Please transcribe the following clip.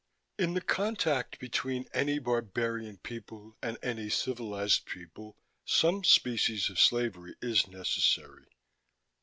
In the contact between any barbarian people and any civilized people, some species of slavery is necessary.